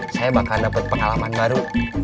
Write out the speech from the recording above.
saya bakal dapat pengalaman baru